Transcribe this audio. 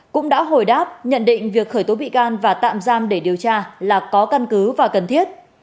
cũng đã hồi đáp nhận định việc khởi tố bị can và tạm giam để điều tra là có căn cứ và cần thiết